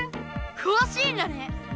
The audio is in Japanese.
くわしいんだね！